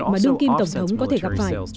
mà đương kim tổng thống có thể gặp phải